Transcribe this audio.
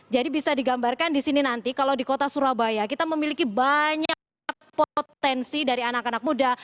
jadi bisa digambarkan disini nanti kalau di kota surabaya kita memiliki banyak potensi dari anak anak muda